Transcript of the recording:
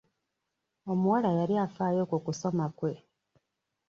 Omuwala yali afaayo ku kusoma kwe.